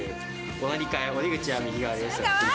お乗り換え、お出口は右側です。